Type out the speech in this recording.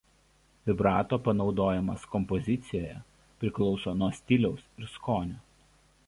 Vibrato panaudojimas kompozicijoje priklauso nuo stiliaus ir skonio.